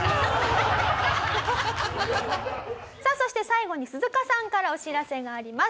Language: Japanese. さあそして最後に鈴鹿さんからお知らせがあります。